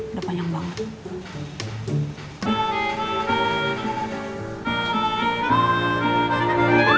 udah panjang banget